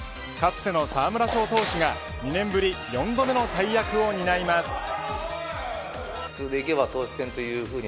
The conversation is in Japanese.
かつての沢村賞投手が２年ぶり４度目の大役を担います。